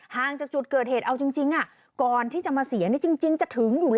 ห่างจากเกิดเหตุการมาเสียความลับจะถึงอยู่แล้ว